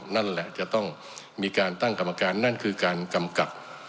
นั่นแหละจะต้องมีการตั้งกรรมการนั่นคือการกำกับ